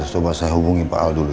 mas coba saya hubungi pak al dulu ya